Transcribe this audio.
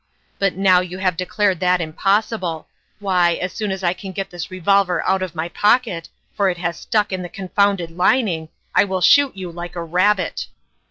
But now you have declared that impossible, why, as soon as I can get this revolver out of my pocket for it has stuck in the confounded lining I will shoot you like a rabbit